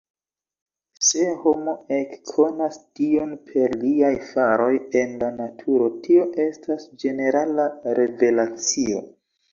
Se homo ekkonas Dion per liaj faroj en la naturo, tio estas "ĝenerala" revelacio.